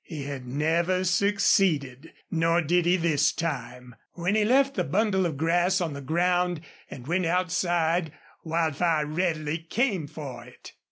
He had never succeeded, nor did he this time. When he left the bundle of grass on the ground and went outside Wildfire readily came for it.